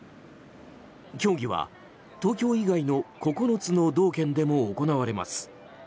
競技は東京以外の９つの道県でも行われます。